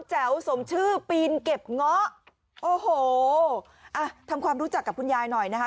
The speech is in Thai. แจ๋วสมชื่อปีนเก็บเงาะโอ้โหอ่ะทำความรู้จักกับคุณยายหน่อยนะคะ